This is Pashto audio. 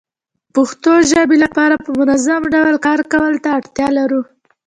پښتو ژبې لپاره په منظمه ډول کار کولو ته اړتيا لرو